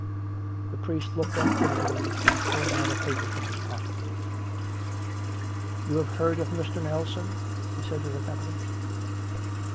The priest looked up timidly, pulling out a paper from his pocket. " You have heard of Mr. Nelson ?" he said to the com pany.